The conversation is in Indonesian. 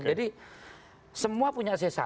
jadi semua punya c satu